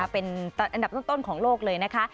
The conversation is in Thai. เป็นอันดับต้นของโลกเลยนะคะ